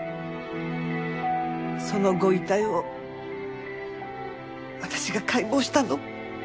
そのご遺体を私が解剖したの。